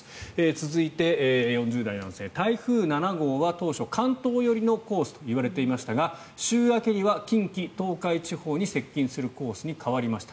続いて、４０代の女性台風７号は当初関東寄りのコースといわれていましたが週明けには近畿・東海地方に接近するコースに変わりました。